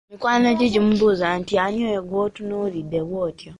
Mikwano gye gimubuuza nti ani oyo gw’otunuulidde bw’otyo?